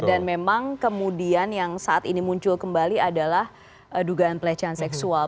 dan memang kemudian yang saat ini muncul kembali adalah dugaan pelecehan seksual